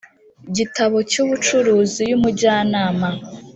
Gitabo Cy Ubucuruzi Y Umujyanama